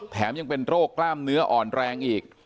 แถมยังเป็นโรคกล้ามเนื้ออ่อนแรงอีก